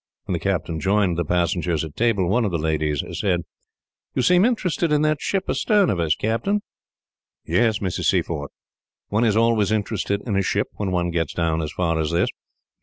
When the captain joined the passengers at table, one of the ladies said: "You seem interested in that ship astern of us, captain." "Yes, Mrs. Seaforth. One is always interested in a ship, when one gets down as far as this.